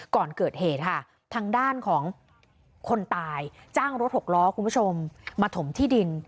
ก่อนเกิดเหตุค่ะทางด้านของคนตายจ้างรถหกล้อคุณผู้ชมมาถมที่ดิน